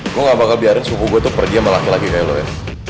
lo gak bakal biarin suku gue tuh pergi sama laki laki kayak lo ya